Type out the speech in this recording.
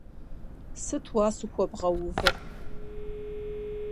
Сыт уасэу хуэбгъэувыр?